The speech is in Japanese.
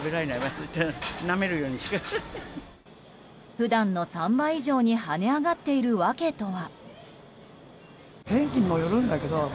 普段の３倍以上に跳ね上がっている訳とは。